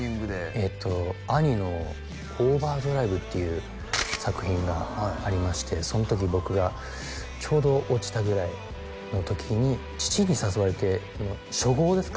えっと兄の「ＯＶＥＲＤＲＩＶＥ」っていう作品がありましてその時僕がちょうど落ちたぐらいの時に父に誘われて初号ですね